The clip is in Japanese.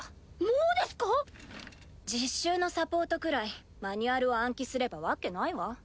もうですか⁉実習のサポートくらいマニュアルを暗記すれば訳ないわ。